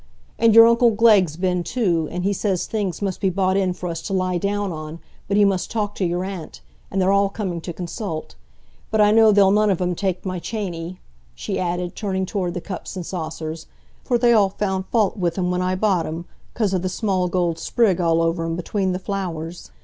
"And your uncle Glegg's been too, and he says things must be bought in for us to lie down on, but he must talk to your aunt; and they're all coming to consult. But I know they'll none of 'em take my chany," she added, turning toward the cups and saucers, "for they all found fault with 'em when I bought 'em, 'cause o' the small gold sprig all over 'em, between the flowers.